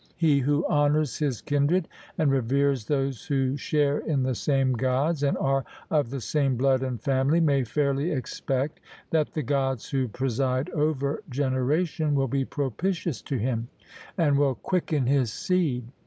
He who honours his kindred, and reveres those who share in the same Gods and are of the same blood and family, may fairly expect that the Gods who preside over generation will be propitious to him, and will quicken his seed.